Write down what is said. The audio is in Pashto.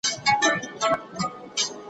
د سودا اخیستل هر چاته پلمه وه